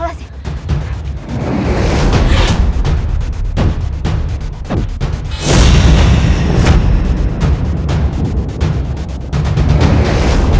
kau mau kemana